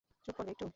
চুপ করবে একটু?